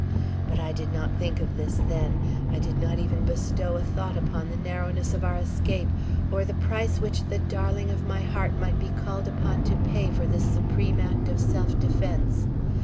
But I did not think of this then; I did not even bestow a thought upon the narrowness of our escape, or the price which the darling of my heart might be called upon to pay for this supreme act of self defence.